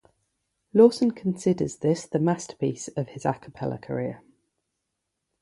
Lawson considers this the masterpiece of his a cappella career.